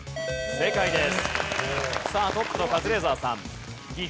正解です。